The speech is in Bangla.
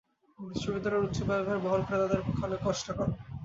বিশ্ববিদ্যালয়ের উচ্চ ব্যয়ভার বহন করা তাদের পক্ষে অনেক কষ্টকর।